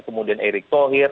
kemudian erick thohir